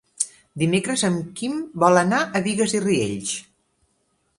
Dimecres en Quim vol anar a Bigues i Riells.